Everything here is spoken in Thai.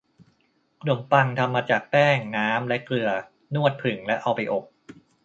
ขนมปังทำมาจาก แป้ง น้ำ และเกลือ นวด ผึ่ง และเอาไปอบ